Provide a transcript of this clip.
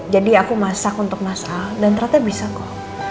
jadi aku masak untuk mas al dan ternyata bisa kok